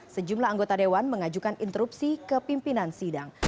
sejumlah anggota dewan mengajukan interupsi ke pimpinan sidang